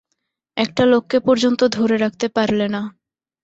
একটা লোককে পর্যন্ত ধরে রাখতে পারলে না।